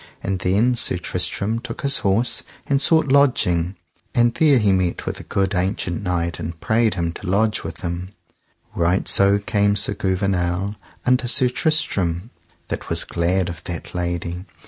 And then Sir Tristram took his horse and sought lodging, and there he met with a good ancient knight and prayed him to lodge with him. Right so came Gouvernail unto Sir Tristram, that was glad of that lady.